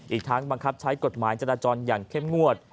อีกทั้งบังคับใช้กฎหมายจราจรอย่างเข้มงวด